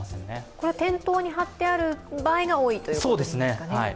これは店頭に貼ってある場合が多いということですか？